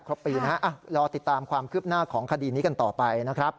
ปีนะฮะรอติดตามความคืบหน้าของคดีนี้กันต่อไปนะครับ